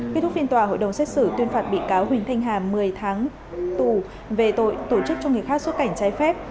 kết thúc phiên tòa hội đồng xét xử tuyên phạt bị cáo huỳnh thanh hà một mươi tháng tù về tội tổ chức cho người khác xuất cảnh trái phép